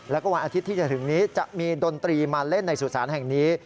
แล้วก็วันอาทิตย์ที่จะถึงนี้จะมีดนตรีมาเล่นในสุสานแห่งนี้